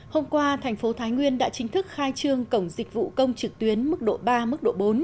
hôm qua thành phố thái nguyên đã chính thức khai trương cổng dịch vụ công trực tuyến mức độ ba mức độ bốn